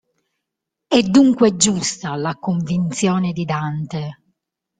È dunque giusta la convinzione di Dante.